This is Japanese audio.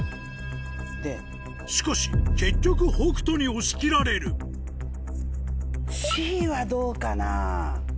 しかし結局北斗に押し切られるＣはどうかな？